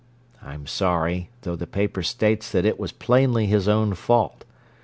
I'm sorry, though the paper states that it was plainly his own fault.